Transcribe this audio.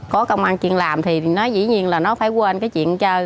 có công an chuyên làm thì nó dĩ nhiên là nó phải quên cái chuyện chơi